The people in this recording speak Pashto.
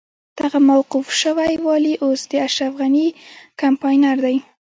دغه موقوف شوی والي اوس د اشرف غني کمپاينر دی.